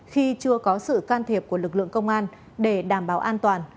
khi chưa có sự can thiệp của lực lượng công an để đảm bảo an toàn